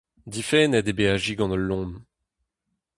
Difennet eo beajiñ gant ul loen.